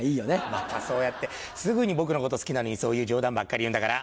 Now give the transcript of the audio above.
またそうやってすぐに僕のこと好きなのにそういう冗談ばっかり言うんだから。